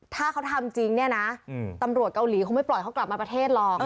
ถ้าเขาทำจริงเนี่ยนะตำรวจเกาหลีคงไม่ปล่อยเขากลับมาประเทศหรอก